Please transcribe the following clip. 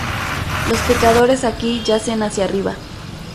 Los pecadores aquí yacen hacia arriba.